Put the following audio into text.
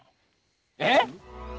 えっ！？